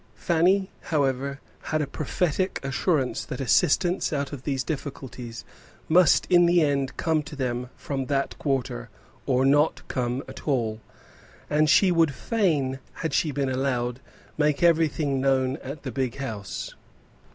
Fanny, however, had a prophetic assurance that assistance out of these difficulties must in the end come to them from that quarter, or not come at all; and she would fain, had she been allowed, make everything known at the big house.